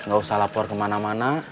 gak usah lapor kemana mana